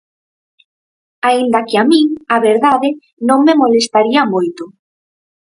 Aínda que a min, a verdade, non me molestaría moito.